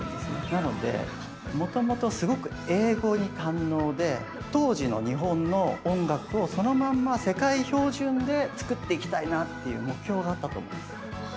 なのでもともとすごく英語に堪能で当時の日本の音楽をそのまんま世界標準で作っていきたいなっていう目標があったと思うんです。